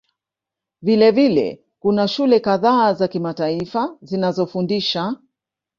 Vilevile kuna shule kadhaa za kimataifa zinazofundisha